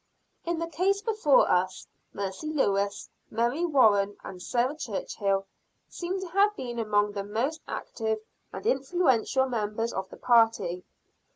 In the case before us, Mercy Lewis, Mary Warren and Sarah Churchhill seem to have been among the most active and influential members of the party.